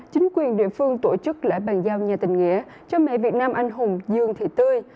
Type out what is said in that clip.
chính quyền địa phương tổ chức lễ bành giao nhà tình nghĩa cho mẹ việt nam anh hùng dương thị tươi